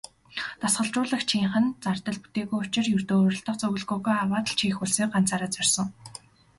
Дасгалжуулагчийнх нь зардал бүтээгүй учир ердөө уралдах зөвлөгөөгөө аваад л Чех улсыг ганцаараа зорьсон.